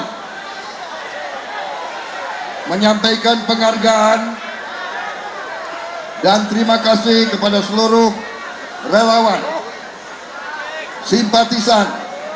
saya menyampaikan penghargaan dan terima kasih kepada seluruh relawan simpatisan